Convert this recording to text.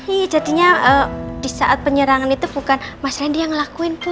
iya jadinya di saat penyerangan itu bukan mas randy yang ngelakuin bu